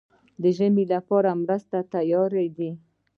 د ژمي لپاره مرستې تیارې دي؟